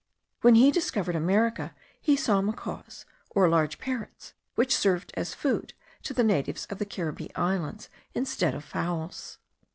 When he discovered America he saw macaws, or large parrots, which served as food to the natives of the Caribbee Islands, instead of fowls.